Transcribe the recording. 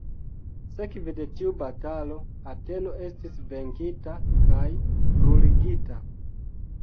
Sekve de tiu batalo, Ateno estis venkita kaj bruligita.